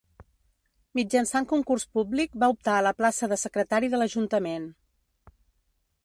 Mitjançant concurs públic va optar a la plaça de secretari de l'ajuntament.